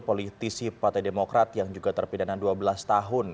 politisi partai demokrat yang juga terpidana dua belas tahun